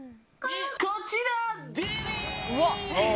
こちら！